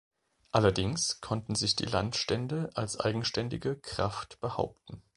Allerdings konnten sich die Landstände als eigenständige Kraft behaupten.